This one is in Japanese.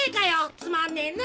つまんねえな！